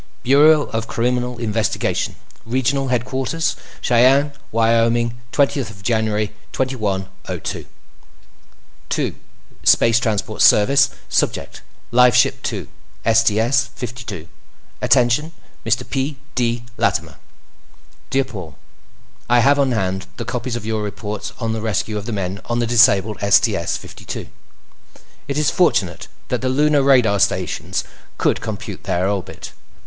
Bureau of Criminal Investigation Regional Headquarters Cheyenne, Wyoming 20 January 2102 To: Space Transport Service Subject: Lifeship 2, STS 52 Attention Mr. P. D. Latimer Dear Paul, I have on hand the copies of your reports on the rescue of the men on the disabled STS 52. It is fortunate that the Lunar radar stations could compute their orbit.